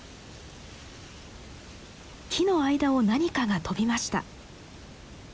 木の間を何かが飛びました。